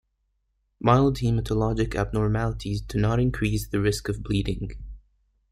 Mild hematologic abnormalities do not increase the risk of bleeding.